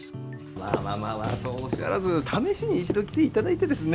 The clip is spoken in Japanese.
まあまあ、そうおっしゃらず試しに一度来ていただいてですね。